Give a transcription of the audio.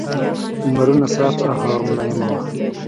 لمرونه صاف او هوا ملایمه وه.